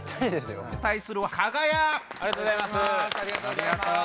ありがとうございます。